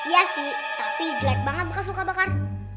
iya sih tapi jelek banget bekas suka bakar